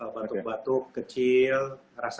batuk batuk kecil rasa